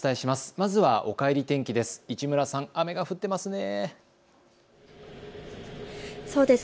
まずはおかえり天気です。